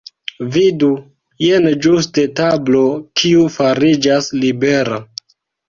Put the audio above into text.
Vidu! Jen ĝuste tablo kiu fariĝas libera.